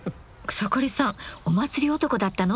草刈さんお祭り男だったの？